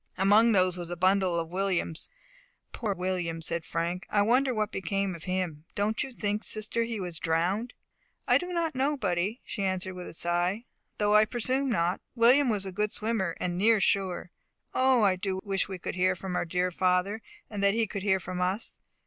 Among these was a bundle of William's. "Poor William!" said Frank, "I wonder what became of him. Don't you think, sister, he was drowned?" "I do not know, buddy," she answered with a sigh; "though I presume not. William was a good swimmer, and near shore. O, I do wish we could hear from our dear father, and he could hear from us!